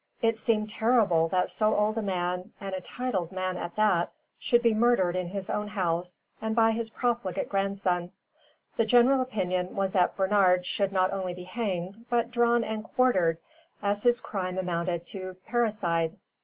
It seemed terrible that so old a man, and a titled man at that, should be murdered in his own house and by his profligate grandson. The general opinion was that Bernard should not only be hanged, but drawn and quartered, as his crime amounted to parricide.